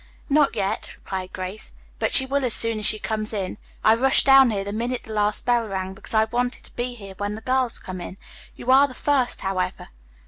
"Not yet," replied Grace, "but she will as soon as she comes in. I rushed down here the minute the last bell rang, because I wanted to be here when the girls come in. You are the first, however."